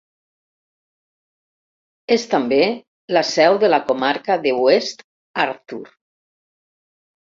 És també la seu de la comarca de West Arthur.